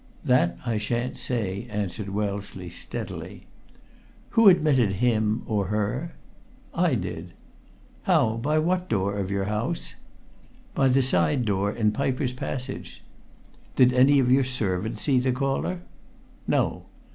"That I shan't say!" answered Wellesley steadily. "Who admitted him or her?" "I did." "How by what door of your house?" "By the side door in Piper's Passage." "Did any of your servants see the caller?" "No."